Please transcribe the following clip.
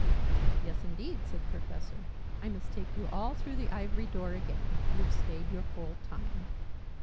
"Yes, indeed," said the Professor. "I must take you all through the Ivory Door again. You've stayed your full time."